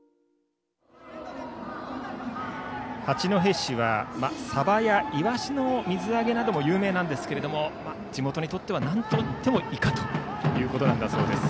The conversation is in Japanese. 八戸市はサバやイワシの水揚げなども有名なんですけれども地元にとってはなんといってもイカということだそうです。